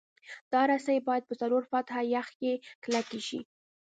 دا رسۍ باید په څلور فټه یخ کې کلکې شي